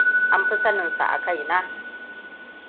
An fi saninsa a kai na.